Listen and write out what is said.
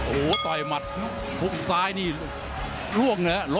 โอ้โหโอ้โหโอ้โหโอ้โหโอ้โห